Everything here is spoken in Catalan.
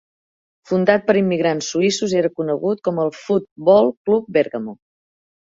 Fundat per immigrants suïssos, era conegut com el "Foot Ball Club Bergamo".